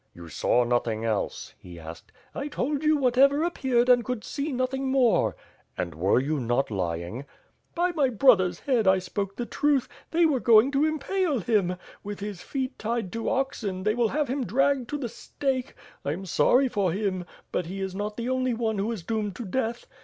"You saw nothing else?" he asked. "I told you whatever appeared and could see nothing more.*' "And were you not lying?" 44B ^ITB f'^RE ASb swokD. *'By my brother's head, I spoke the truth. They were going to impale him. With his feet tied to oxen, they will have him dragged to the stake. I am sorry for him! But he is not the only one who is doomed to death.